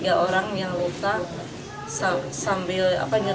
terus ada suara bungsu